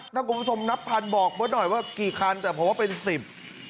ถ้าคุณผู้ชมนับพันบอกเบิร์ตหน่อยว่ากี่คันแต่ผมว่าเป็นสิบ